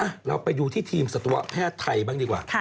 เราไปดูที่ทีมสัตวแพทย์ไทยบ้างดีกว่า